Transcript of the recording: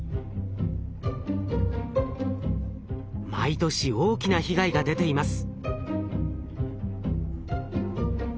毎年大きな被害が出ています。